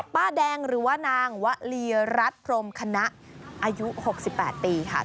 ป้าแดงหรือว่านางวลีรัฐพรมคณะอายุ๖๘ปีค่ะ